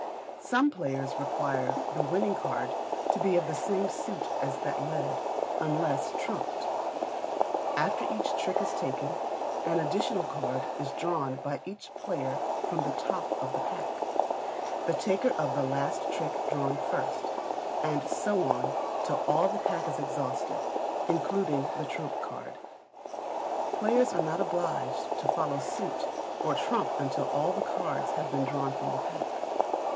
Some players require the winning card to be of the same suit as that led, unless trumped. After each trick is taken, an additional card is drawn by each player from the top of the pack the taker of the last trick drawing first, and so on till all the pack is exhausted, including the trump card. Players are not obliged to follow suit or trump until all the cards have been drawn from the pack.